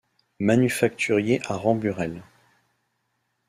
Manufacturier à Ramburelles.